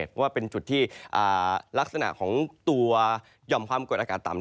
เพราะว่าเป็นจุดที่ลักษณะของตัวหย่อมความกดอากาศต่ำ